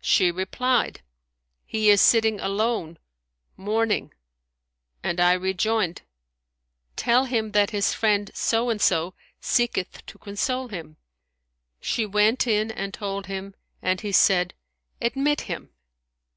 She replied, He is sitting alone, mourning;' and I rejoined, Tell him that his friend so and so seeketh to console him.' She went in and told him; and he said, Admit him.'